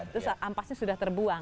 terus ampasnya sudah terbuang